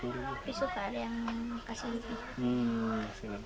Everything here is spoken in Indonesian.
tapi suka ada yang kasih rp dua puluh